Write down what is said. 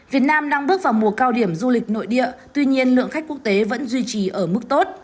việt nam đang bước vào mùa cao điểm du lịch nội địa tuy nhiên lượng khách quốc tế vẫn duy trì ở mức tốt